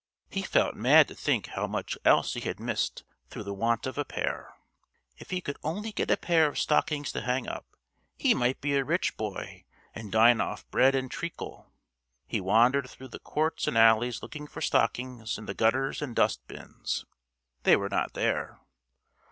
He felt mad to think how much else he had missed through the want of a pair. If he could only get a pair of stockings to hang up, he might be a rich boy and dine off bread and treacle. He wandered through the courts and alleys looking for stockings in the gutters and dustbins. They were not there.